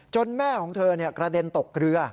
แม่ของเธอกระเด็นตกเรือ